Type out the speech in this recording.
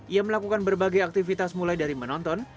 ia melakukan berbagai aktivitas mulai dari menonton